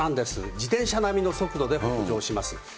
自転車並みの速度で北上します。